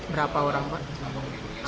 berapa orang pak